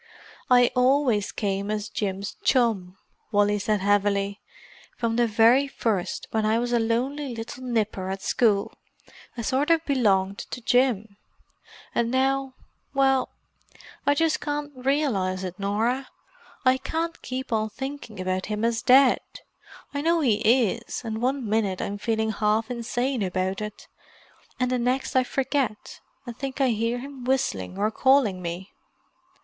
"I always came as Jim's chum," Wally said heavily. "From the very first, when I was a lonely little nipper at school, I sort of belonged to Jim. And now—well, I just can't realize it, Norah. I can't keep on thinking about him as dead. I know he is, and one minute I'm feeling half insane about it, and the next I forget, and think I hear him whistling or calling me."